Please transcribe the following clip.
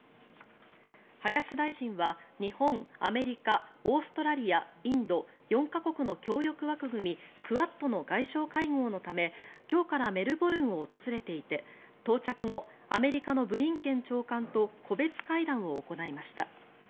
林大臣は日本、アメリカオーストラリア、インド４か国の協力枠組み、クアッドの外相会合のため今日からメルボルンを訪れていて到着後アメリカのブリンケン長官と個別会談を行いました。